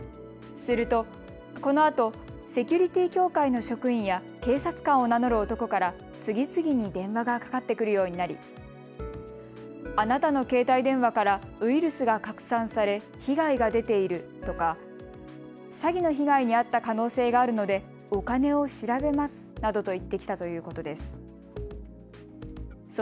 すると、このあとセキュリティー協会の職員や警察官を名乗る男から次々に電話がかかってくるようになりあなたの携帯電話からウイルスが拡散され被害が出ているとか、詐欺の被害に遭った可能性があるのでお金を調べますなどと言ってきたということです。